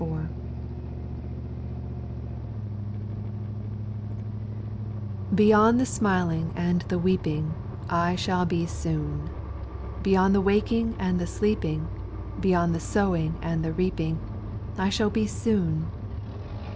"pEYOND the smiling and the weeping, x) I shall be soon ; Beyond the waking and the sleeping, Beyond the sowing and the reaping, I shall be soon.